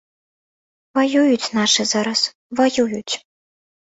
Ваююць нашы зараз, ваююць.